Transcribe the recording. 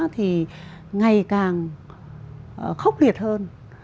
thì ngày càng khốc liệt hơn